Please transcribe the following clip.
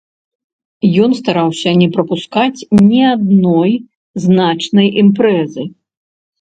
Ён стараўся не прапускаць ні адной значнай імпрэзы.